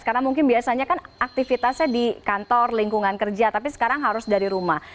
karena mungkin biasanya kan aktivitasnya di kantor lingkungan kerja tapi sekarang harus dari rumah